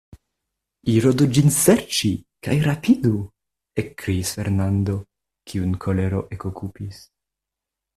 Iru do ĝin serĉi, kaj rapidu, ekkriis Fernando, kiun kolero ekokupis.